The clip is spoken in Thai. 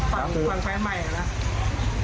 ปั่นไฟใหม่อะไรนะ